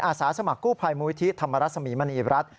สาสมัครกู้ภัยมูลิธิธรรมรสมีมณีรัฐ